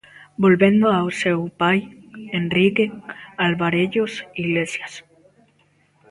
Volvendo ao seu pai... Enrique Alvarellos Iglesias.